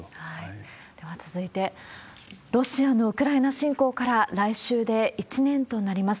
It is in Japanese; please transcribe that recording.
では続いて、ロシアのウクライナ侵攻から、来週で１年となります。